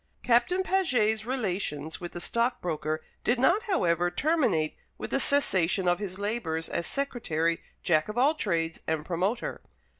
Captain Paget's relations with the stockbroker did not, however, terminate with the cessation of his labours as secretary, jack of all trades, and promoter.